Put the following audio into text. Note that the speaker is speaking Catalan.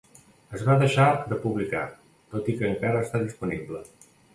Es va deixar de publicar, tot i que encara està disponible.